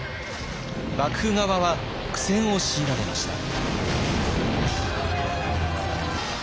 幕府側は苦戦を強いられました。